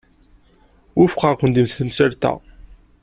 Wufqeɣ-ken deg temsalt-a.